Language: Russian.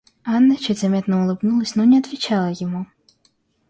Анна чуть заметно улыбнулась, но не отвечала ему.